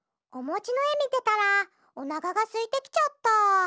おもちのえみてたらおなかがすいてきちゃった。